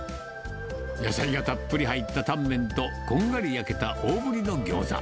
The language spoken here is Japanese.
野菜がたっぷり入ったタンメンと、こんがり焼けた大ぶりのギョーザ。